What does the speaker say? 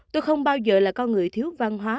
tôi không bao giờ là con người thiếu văn hóa